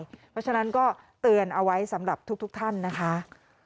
เพราะฉะนั้นก็เตือนเอาไว้สำหรับทุกท่านนะคะ